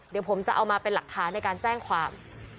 เดี๋ยวผมจะเอามาเป็นหลักฐานในการแจ้งความ